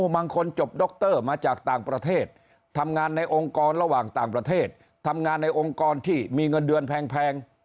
บางคนจบดรมาจากต่างประเทศทำงานในองค์กรระหว่างต่างประเทศทำงานในองค์กรที่มีเงินเดือนแพง